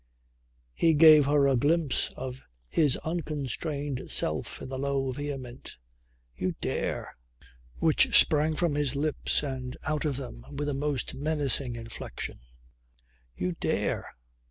He gave her a glimpse of his unconstrained self in the low vehement "You dare!" which sprang to his lips and out of them with a most menacing inflexion. "You dare